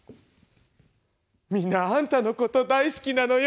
「みんなあんたのこと大好きなのよ！」。